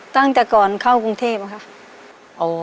ตั้งแต่ก่อนเข้ากรุงเทพค่ะ